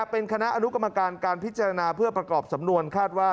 เป็นคณะอนุกรรมการการพิจารณาเพื่อประกอบสำนวนคาดว่า